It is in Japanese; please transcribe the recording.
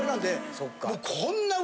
そっか。